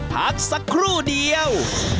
พักสักครู่เดียว